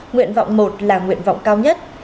nguyện vọng một là nguyện vọng cao nhất